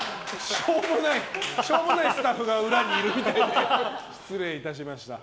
しょうもないスタッフが裏にいるみたいで失礼いたしました。